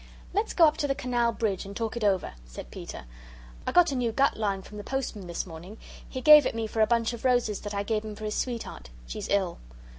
"Let's go up to the Canal bridge and talk it over," said Peter. "I got a new gut line from the postman this morning. He gave it me for a bunch of roses that I gave him for his sweetheart. She's ill."